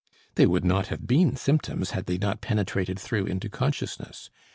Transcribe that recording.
They would not have been symptoms had they not penetrated through into consciousness.